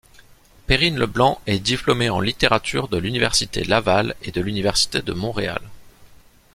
Perrine Leblanc est diplômée en littérature de l'Université Laval et de l'Université de Montréal.